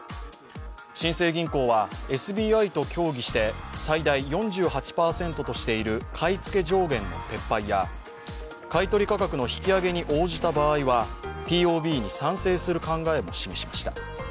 新生銀行はＳＢＩと協議して、最大４８％としている買い付け上限の撤廃や、買い取り価格の引き上げに応じた場合はＴＯＢに賛成する考えも示しました。